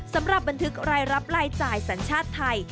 สำหรับบันทึกรายรับรายจ่ายสัญชาติไทย